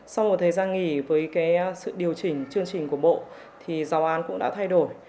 sau một thời gian nghỉ với sự điều chỉnh chương trình của bộ thì giáo án cũng đã thay đổi